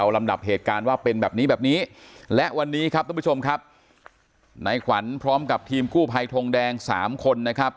และวันนี้ครับทุกผู้ชมในขวัญพร้อมกับทีมคู่ภัยทงแดง๓คนนะครับ